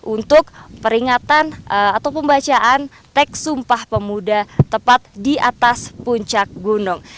untuk peringatan atau pembacaan teks sumpah pemuda tepat di atas puncak gunung